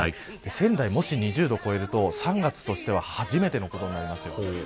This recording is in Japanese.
仙台２０度を超えると３月としては初めてのことになります。